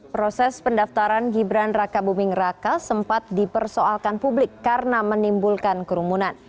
proses pendaftaran gibran raka buming raka sempat dipersoalkan publik karena menimbulkan kerumunan